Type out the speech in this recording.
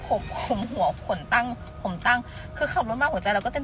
ผมผมหัวขนตั้งผมตั้งคือขับรถมาหัวใจเราก็เต็ม